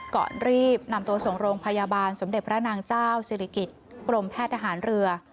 ก่อนรีบนำตัวส่งโรงพยาบาลสมเด็จพระนางเจ้าศิริกิจกรมแพทย์ทหารเรือ